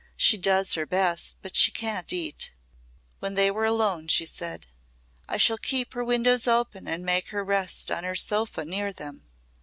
She does her best. But she can't eat." When they were alone she said, "I shall keep her windows open and make her rest on her sofa near them.